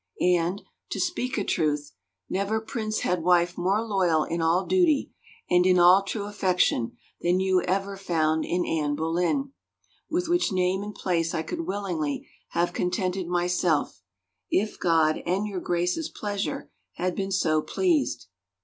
And, to speak a truth, never prince had wife more loyal in all duty, and in all true affection, than you have ever found in Anne Boleyn, with which name and place I could willingly have contented myself, if God and your Grace's pleasure had been so pleased.